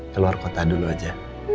keluar kota dulu aja